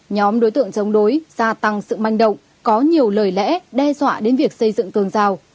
nhóm đối tượng chống đối gia tăng sự manh động có nhiều lời lẽ đe dọa đến việc xây dựng tường rào